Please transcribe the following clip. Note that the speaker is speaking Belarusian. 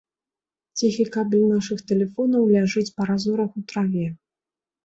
Ціхі кабель нашых тэлефонаў ляжыць па разорах і ў траве.